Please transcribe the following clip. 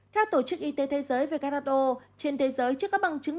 theo tổ chức y tế thế giới who trên thế giới chưa có bằng chứng